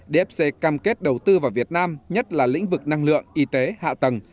dfc cam kết đầu tư vào việt nam nhất là lĩnh vực năng lượng y tế hạ tầng